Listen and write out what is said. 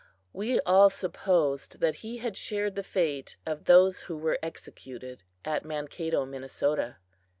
We all supposed that he had shared the fate of those who were executed at Mankato, Minnesota.